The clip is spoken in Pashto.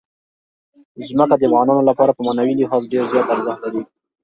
ځمکه د افغانانو لپاره په معنوي لحاظ ډېر زیات ارزښت لري.